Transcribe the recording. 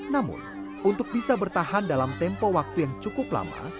namun untuk bisa bertahan dalam tempo waktu yang cukup lama